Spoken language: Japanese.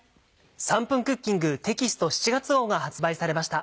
『３分クッキング』テキスト７月号が発売されました。